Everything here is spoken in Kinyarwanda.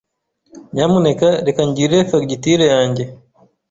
Nyamuneka reka ngire fagitire yanjye.